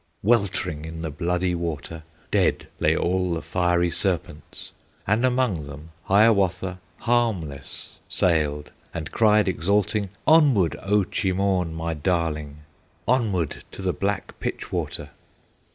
Weltering in the bloody water, Dead lay all the fiery serpents, And among them Hiawatha Harmless sailed, and cried exulting: "Onward, O Cheemaun, my darling! Onward to the black pitch water!"